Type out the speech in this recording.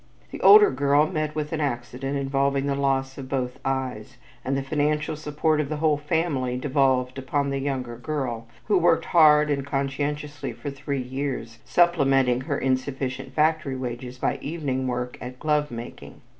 The older girl met with an accident involving the loss of both eyes, and the financial support of the whole family devolved upon the younger girl, who worked hard and conscientiously for three years, supplementing her insufficient factory wages by evening work at glove making.